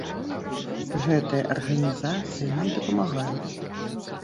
Гэтыя арганізацыі нам дапамагаюць.